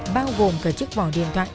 bao gồm cả chiếc vỏ điện thoại